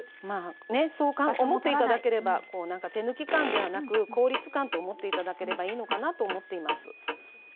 まあねそう思って頂ければこうなんか手抜き感ではなく効率感と思って頂ければいいのかなと思っています。